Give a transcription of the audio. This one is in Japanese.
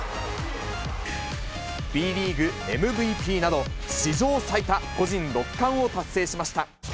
ＢリーグＭＶＰなど、史上最多、個人６冠を達成しました。